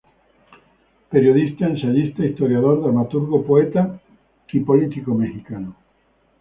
Periodista, ensayista, historiador, dramaturgo, poeta y político mexicano.